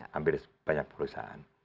hampir banyak perusahaan